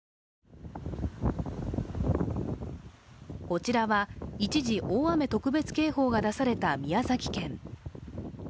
こちらは一時、大雨特別警報が出された宮崎県。